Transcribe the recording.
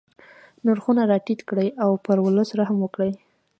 نرخونه را ټیټ کړي او پر ولس رحم وکړي.